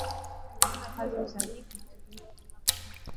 Alianza kazi ya usanii wa kujitegemea kunako mwaka wa